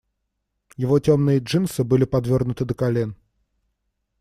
Его темные джинсы были подвёрнуты до колен.